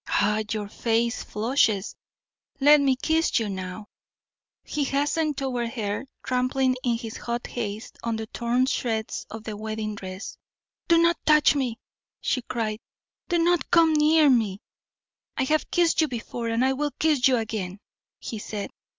Ah! your face flushes. Let me kiss you now." He hastened toward her, trampling in his hot haste on the torn shreds of the wedding dress. "Do not touch me!" she cried. "Do not come near me!" "I have kissed you before, and I will kiss you again," he said.